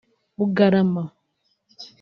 Bugarama